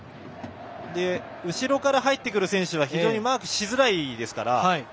後ろから入ってくる選手はマークしづらいですから。